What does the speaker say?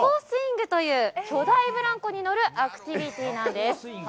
スウィングという巨大ブランコに乗るアクティビティーなんです。